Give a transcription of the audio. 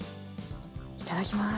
いただきます。